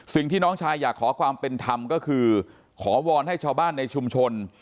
สิ่งที่น้องชายอยากขอความเป็นธรรมก็คือขอวอนให้ชาวบ้านในชุมชน